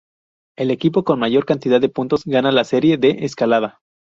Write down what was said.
El equipo con mayor cantidad de puntos gana la serie de escalada.